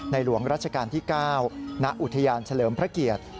หลวงรัชกาลที่๙ณอุทยานเฉลิมพระเกียรติ